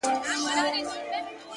• چاته د دار خبري ډيري ښې دي؛